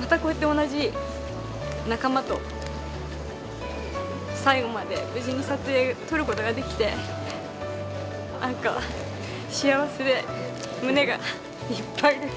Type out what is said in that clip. またこうやって同じ仲間と最後まで無事に撮影、撮ることができて、なんか幸せで、胸がいっぱいです。